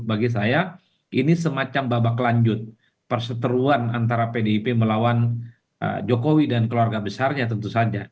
bagi saya ini semacam babak lanjut perseteruan antara pdip melawan jokowi dan keluarga besarnya tentu saja